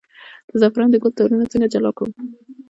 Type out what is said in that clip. د زعفرانو د ګل تارونه څنګه جلا کړم؟